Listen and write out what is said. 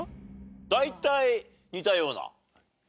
大体似たようなね。